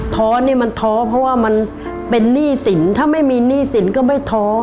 ้อนี่มันท้อเพราะว่ามันเป็นหนี้สินถ้าไม่มีหนี้สินก็ไม่ท้อ